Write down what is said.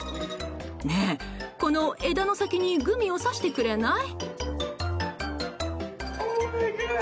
ねえ、この枝の先にグミを刺してくれない？